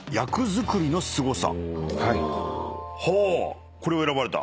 はぁこれを選ばれた？